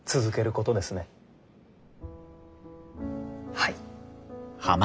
はい。